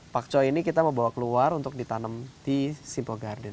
pak choy ini kita mau bawa keluar untuk ditanam di simple garden